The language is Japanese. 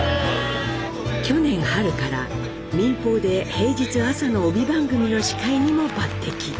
去年春から民放で平日朝の帯番組の司会にも抜てき。